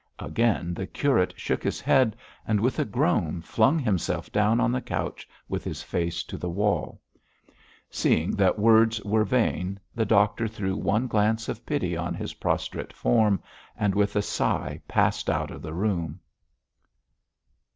Again the curate shook his head, and with a groan flung himself down on the couch with his face to the wall. Seeing that words were vain, the doctor threw one glance of pity on his prostrate form, and with a sigh passed out of the room.